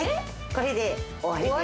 これで終わりです。